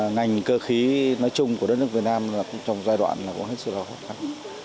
ngành cơ khí nói chung của đất nước việt nam trong giai đoạn này cũng hết sự là khó khăn